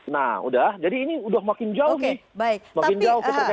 nah udah jadi ini udah makin jauh nih